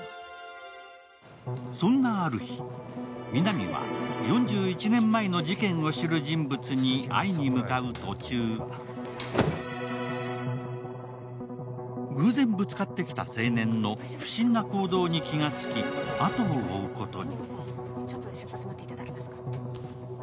そんなある日、皆実は４１年前の事件を知る人物に会いにいく途中、偶然ぶつかってきた青年の不審な行動に気がつき、後を追うことに。